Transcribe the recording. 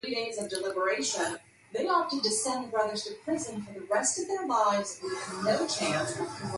It is inside the region of Estella.